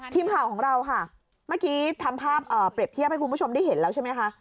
ทีมข่าวของเราค่ะเมื่อกี้ทำภาพเปรียบเทียบให้คุณผู้ชมได้เห็นแล้วใช่ไหมคะ